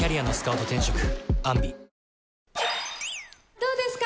どうですか？